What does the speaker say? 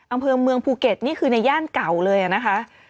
อำเภอเมืองภูเก็ตนี่คือในย่านเก่าเลยนะคะ